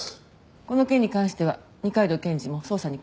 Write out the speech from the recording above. この件に関しては二階堂検事も捜査に加わって。